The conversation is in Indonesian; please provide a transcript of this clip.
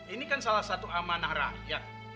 ini kan salah satu amanah rakyat